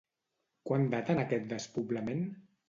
Quan daten aquest despoblament?